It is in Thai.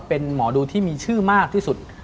เป็นหมอดูที่มีชื่อมากที่สุด